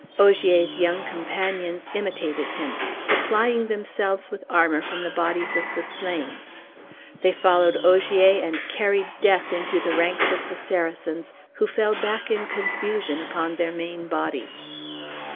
Ogier's young companions imitated him, supplying themselves with armor from the bodies of the slain; they followed Ogier and carried death into the ranks of the Saracens, who fell back in confusion upon their main body.